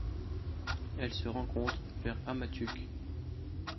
Elle se rencontre vers Amatuk.